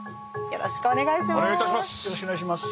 よろしくお願いします。